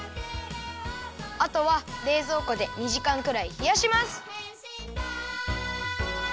あとはれいぞうこで２じかんくらいひやします。